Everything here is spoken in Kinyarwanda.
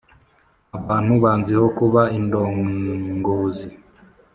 abantu banziho kuba indongozi